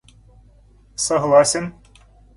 согласен